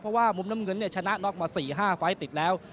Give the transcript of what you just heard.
เพราะว่ามุมน้ำเงินชนะน็อกมา๔๕ไฟล์ติดแล้ว